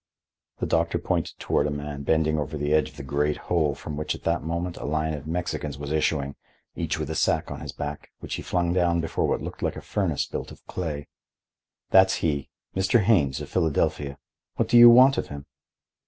The doctor pointed toward a man bending over the edge of the great hole from which, at that moment, a line of Mexicans was issuing, each with a sack on his back which he flung down before what looked like a furnace built of clay. "That's he. Mr. Haines, of Philadelphia. What do you want of him?"